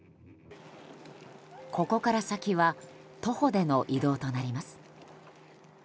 ここから先は徒歩での移動となります。